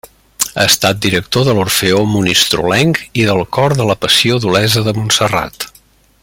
Ha estat director de l'Orfeó Monistrolenc i del Cor de la Passió d'Olesa de Montserrat.